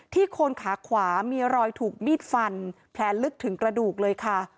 โคนขาขวามีรอยถูกมีดฟันแผลลึกถึงกระดูกเลยค่ะ